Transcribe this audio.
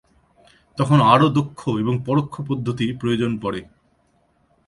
তখন আরও দক্ষ এবং পরোক্ষ পদ্ধতির প্রয়োজন পড়ে।